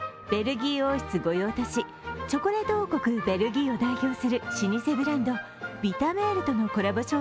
ベルギー王室御用達、チョコレート王国・ベルギーを代表する老舗ブランド、ヴィタメールとのコラボ